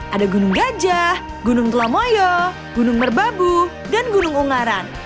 ada gunung gajah gunung telamoyo gunung merbabu dan gunung ungaran